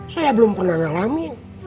saya belum pernah ngalamin